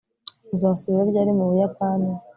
Uzasubira ryari mu Buyapani